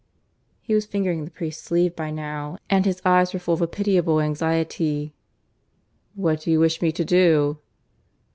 He was fingering the priest's sleeve by now, and his eyes were full of a pitiable anxiety. "What do you wish me to do?"